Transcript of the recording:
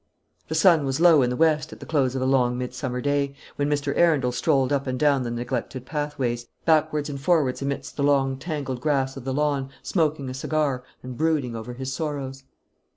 The sun was low in the west at the close of a long midsummer day, when Mr. Arundel strolled up and down the neglected pathways, backwards and forwards amid the long tangled grass of the lawn, smoking a cigar, and brooding over his sorrows.